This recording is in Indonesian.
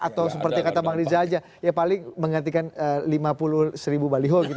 atau seperti kata bang riza aja ya paling menggantikan lima puluh seribu baliho gitu